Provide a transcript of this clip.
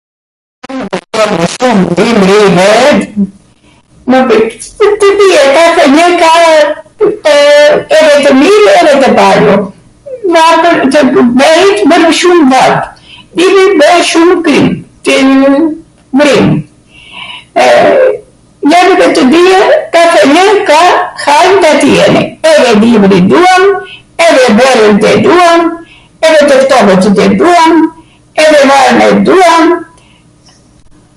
....Kathe njw ka edhe tw mir edhe ... Bwn shum vap. ... Edhe dimrin e duam, edhe verwn e duam, edhe tw ftohwtwtw e duam, edhe vapwn e duam.